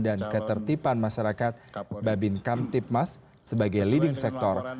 dan ketertiban masyarakat babin kamtipmas sebagai leading sector